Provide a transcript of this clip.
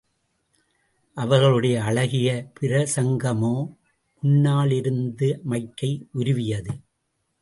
அவர்களுடைய அழகிய பிரசங்கமோ முன்னாலிருந்த மைக்கை உருவியது.